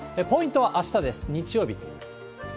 ポイントはあしたです、日曜日。